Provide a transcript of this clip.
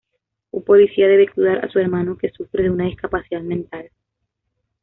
Un policía debe cuidar a su hermano, que sufre de una discapacidad mental.